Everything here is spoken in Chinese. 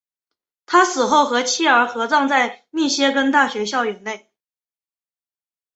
他死后和妻儿合葬在密歇根大学校园内。